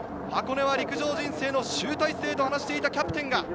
箱根は陸上人生の集大成と話していたキャプテン。